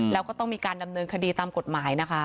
แล้วก็ต้องมีการดำเนินคดีตามกฎหมายนะคะ